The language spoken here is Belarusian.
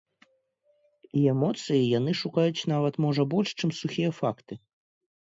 І эмоцыі яны шукаюць нават можа больш, чым сухія факты.